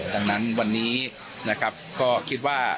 ดังนั้นวันนี้ก็คิดว่า